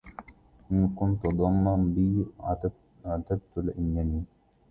إن كنت ضنا بي عتبت لأنني